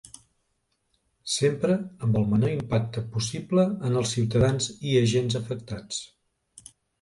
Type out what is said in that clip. Sempre amb el menor impacte possible en els ciutadans i agents afectats.